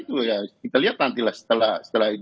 itu kita lihat nanti lah setelah